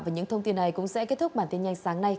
và những thông tin này cũng sẽ kết thúc bản tin nhanh sáng nay